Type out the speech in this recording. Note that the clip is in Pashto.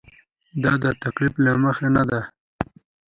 دا د تکلف له مخې نه ده.